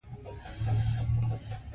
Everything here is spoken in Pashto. پښتو ژبه زموږ د بقا وسیله ده.